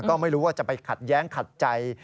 ก็ไม่รู้ว่าจะไปขัดแย้งขัดใจ